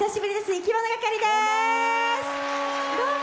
いきものがかりです。